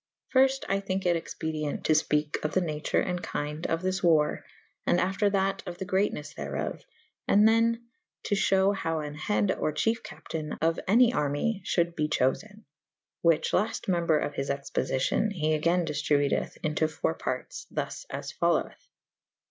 Fyrfte I thynke it expedyent to fpeke of the nature & kynde of this warre / and after that of the greatnes thereof / and then to fhewe howe an hede or chyefe capytayne of any army fhulde be chofen. Whiche lafte membre of his expofycyon he agayne diftributeth into foure partes X^us as foloweth.